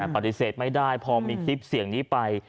ปฏิเสธไม่ได้พอมีคลิปเสียงนี้ไป